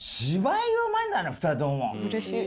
うれしい。